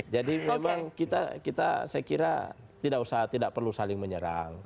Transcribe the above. jadi memang kita saya kira tidak usah tidak perlu saling menyerang